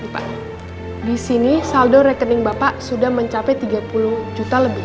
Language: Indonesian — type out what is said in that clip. pak di sini saldo rekening bapak sudah mencapai tiga puluh juta lebih